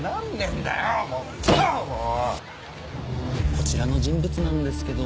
こちらの人物なんですけど。